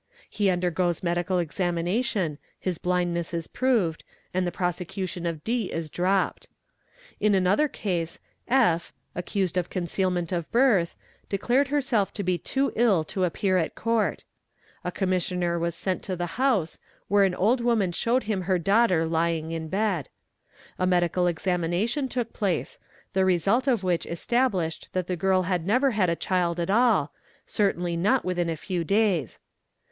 He undergoes medical examination, his blindness is proved, and the prosecution of D is dropped. In another case F', accused of concealment of birth, declared a to be too ill to appear at Court. A commissioner was sent to ie house, where an old woman showed him her daughter lying in bed. medical examination took place, the result of which established that he girl had never had a child at all, certainly not within a few days.